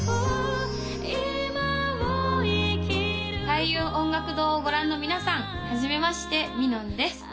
開運音楽堂をご覧の皆さんはじめまして美音−ｍｉｎｏｎ−です